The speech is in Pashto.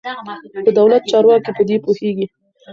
د دولت چارواکي په دې پوهېږي.